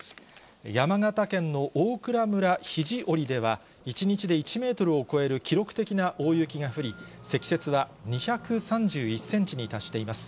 山形県の大蔵村肘折では、１日で１メートルを超える記録的な大雪が降り、積雪は２３１センチに達しています。